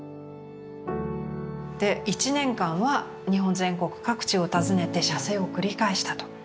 で１年間は日本全国各地を訪ねて写生を繰り返したと。